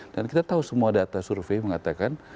dan kita tahu semua data survei mengatakan